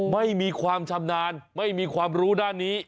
ไม่มีความชำนาญไม่มีความรู้ด้านนี้